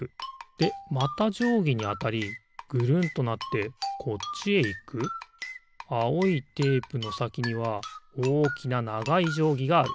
でまたじょうぎにあたりぐるんとなってこっちへいくあおいテープのさきにはおおきなながいじょうぎがある。